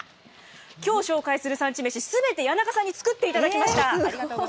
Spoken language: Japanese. きょう紹介する産地めし、すべて谷中さんに作っていただきました。